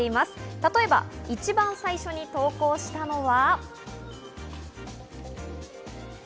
例えば一番最初に投稿したのは。